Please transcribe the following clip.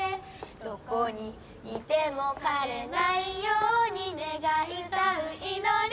「何処にいても枯れないように願い歌う祈りの詩」